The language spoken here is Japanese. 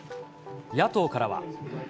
野党からは。